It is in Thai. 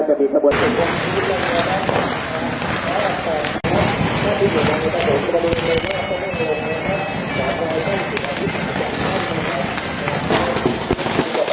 ขอให้ท่านเล่น